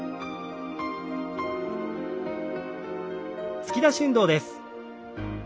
突き出し運動です。